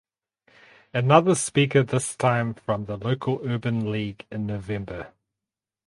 Another speaker this time from the local Urban League in November.